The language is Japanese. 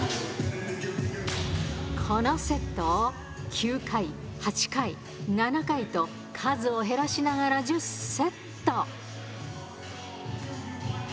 このセットを９回、８回、７回と数を減らしながら１０セット。